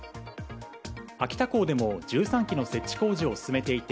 秋田港でも１３基の設置工事を進めていて